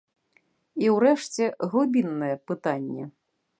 І ўрэшце, глыбіннае пытанне.